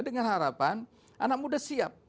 dengan harapan anak muda siap